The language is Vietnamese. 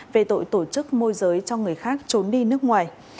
về tội tổ chức môi giới cho người khác trốn đi nước ngoài